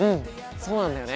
そうなんだよね。